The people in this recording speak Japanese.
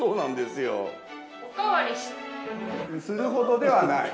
するほどではない。